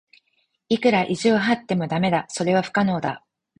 いくら意地を張っても駄目だ。それは不可能だ。